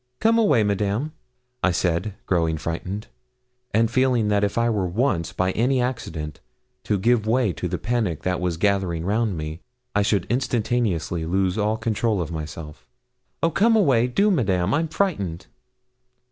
'Come away, Madame,' I said, growing frightened, and feeling that if I were once, by any accident, to give way to the panic that was gathering round me, I should instantaneously lose all control of myself. 'Oh, come away! do, Madame I'm frightened.'